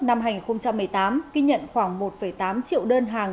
năm hai nghìn một mươi tám ghi nhận khoảng một tám triệu đơn hàng